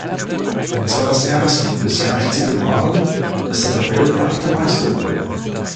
Es war das erste und bisher einzige Mal, dass der Tabellen-Achte Meister wurde.